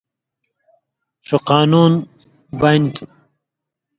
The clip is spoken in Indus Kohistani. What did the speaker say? ݜُو قانُون بانیۡ تُھو